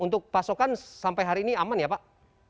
untuk pasokan sampai hari ini aman ya pak